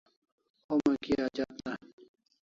Homa Kia ajat ne